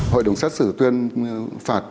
hội đồng xét xử tuyên phạt